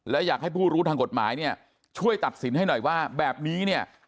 และอยากให้ผู้รู้ทางกฎหมายเนี่ยช่วยตัดสินให้หน่อยว่าแบบนี้เนี่ย